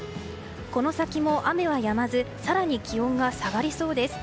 この先も雨はやまず更に気温が下がりそうです。